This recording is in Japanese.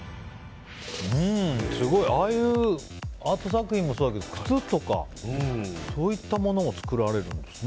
ああいうアート作品もそうだけど靴とか、そういったものを作られるんですね。